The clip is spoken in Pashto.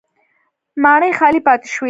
ماڼۍ خالي پاتې شوې